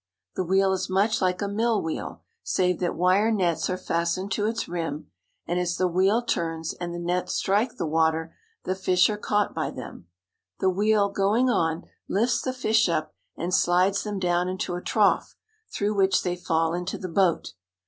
The w^heel is much like a mill wheel, save that ware nets are fastened to its rim, and, as the wheel turns and the nets strike the water, the fish are caught by them. The wheel, going on, lifts the fish up and slides them down into a trough, through which they fall into the boat.